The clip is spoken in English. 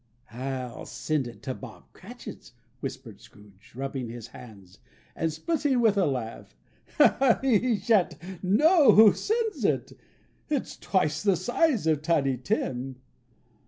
"I'll send it to Bob Cratchit's," whispered Scrooge, rubbing his hands, and splitting with a laugh. "He shan't know who sends it. It's twice the size of Tiny Tim.